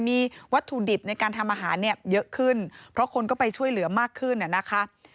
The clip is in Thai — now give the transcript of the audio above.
มีวัตถุดิบในการทำอาหารเนี่ยเยอะขึ้นเพราะคนก็ไปช่วยเหลือมากขึ้นนะคะ